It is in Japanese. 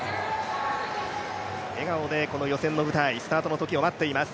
笑顔で予選の舞台、スタートの時を待っています。